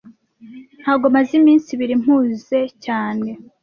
Ntago maze iminsi ibiri mpuze cyane